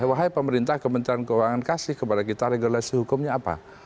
wahai pemerintah kementerian keuangan kasih kepada kita regulasi hukumnya apa